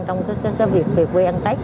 trong cái việc quê ăn tết